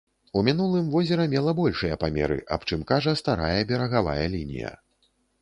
У мінулым возера мела большыя памеры, аб чым кажа старая берагавая лінія.